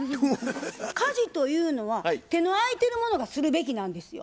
家事というのは手の空いてる者がするべきなんですよ。